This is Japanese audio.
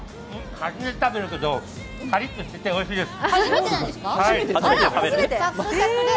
初めて食べるけど、カリッとしていて、おいしいです。